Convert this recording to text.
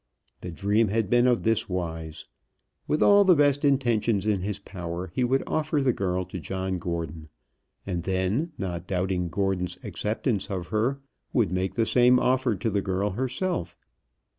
The dream had been of this wise. With all the best intentions in his power he would offer the girl to John Gordon, and then, not doubting Gordon's acceptance of her, would make the same offer to the girl herself.